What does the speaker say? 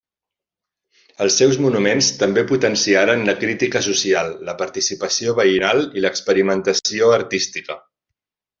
En els seus monuments també potenciaren la crítica social, la participació veïnal i l'experimentació artística.